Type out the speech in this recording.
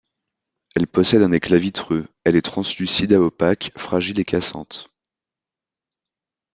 Elle possède un éclat vitreux, elle est translucide à opaque, fragile et cassante.